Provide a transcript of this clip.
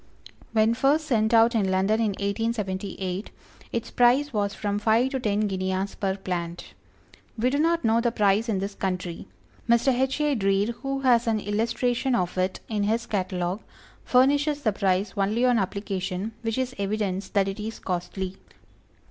When first sent out in London in 1878, its price was from five to ten guineas per plant. We do not know the price in this country. Mr. H. A. Dreer who has an illustration of it in his catalogue, furnishes the price only on application, which is evidence that it is costly.